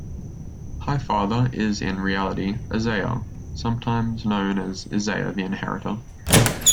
Highfather is in reality Izaya, sometimes known as Izaya the Inheritor.